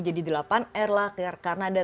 jadi delapan r lah karena ada